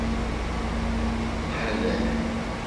Ḥader.